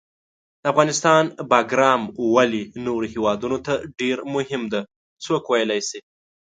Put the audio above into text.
د افغانستان باګرام ولې نورو هیوادونو ته ډېر مهم ده، څوک ویلای شي؟